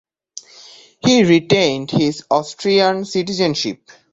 He retained his Austrian citizenship.